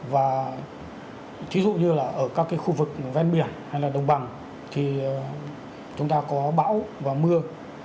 và ví dụ như là ở các cái khu vực ven biển hay là đồng bằng thì chúng ta có bão và mưa